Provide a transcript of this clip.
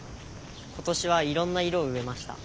今年はいろんな色を植えました。